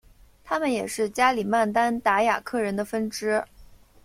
他们也是加里曼丹达雅克人的分支。